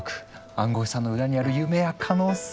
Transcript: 暗号資産の裏にある夢や可能性。